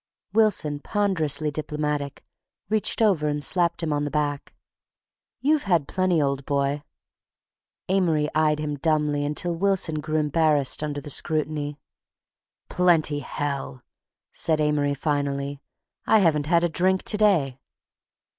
Wilson, ponderously diplomatic, reached over and slapped him on the back. "You've had plenty, old boy." Amory eyed him dumbly until Wilson grew embarrassed under the scrutiny. "Plenty, hell!" said Amory finally. "I haven't had a drink to day."